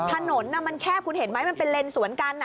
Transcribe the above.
ถนนมันแคบคุณเห็นไหมมันเป็นเลนสวนกัน